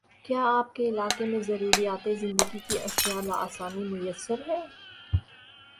کیا آپ کے علاقے میں ضروریاتِ زندگی کی اشیاء باآسانی میسر ہیں؟